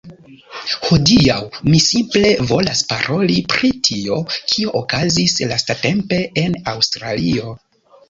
Hodiaŭ mi simple volas paroli pri tio, kio okazis lastatempe en Aŭstralio